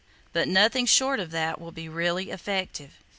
But nothing short of that will be really effective.